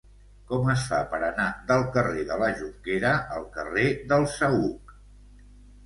Com es fa per anar del carrer de la Jonquera al carrer del Saüc?